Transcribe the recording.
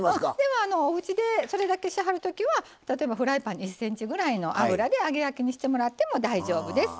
おうちでそれだけしはるときは例えばフライパンに１ｃｍぐらいの油で揚げ焼きにしてもらっても大丈夫です。